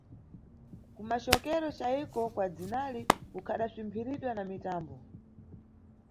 Kumacokero cayiko kwa dzinali kukadaswimphiridwa na mitambo.